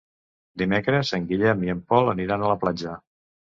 Dimecres en Guillem i en Pol aniran a la platja.